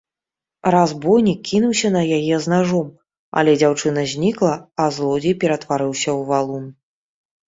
Разбойнік кінуўся на яе з нажом, але дзяўчына знікла, а злодзей ператварыўся ў валун.